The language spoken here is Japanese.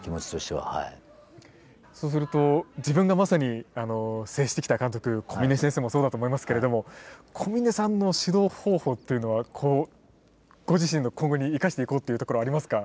そうすると自分がまさに接してきた監督小嶺先生もそうだと思いますけれども小嶺さんの指導方法っていうのはご自身の今後に生かしていこうっていうところはありますか？